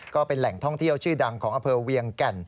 ก็เป็นแหล่งท่องเที่ยวชื่อดังของอำเภอเวียงแก่น